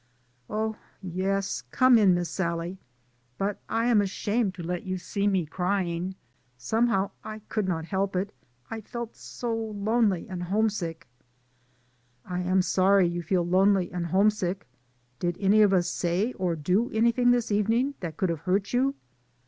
"Oh, yes, come in, Miss Sallie, but I am ashamed to let you see me crying, somehow I could not help it. I felt so lonely and home sick." "I am sorry you feel lonely and home sick. Did any of us say, or do anything this evening that could have hurt you?"